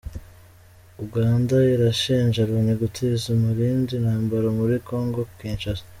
Uganda irashinja Loni gutiza umurindi intambara muri Congo Kinshasa